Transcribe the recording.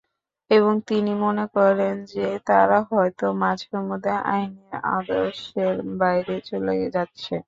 এবং তিনি মনে করেন যে তারা হয়তো মাঝে মধ্যে আইনের আদর্শের বাইরে চলে যাচ্ছে।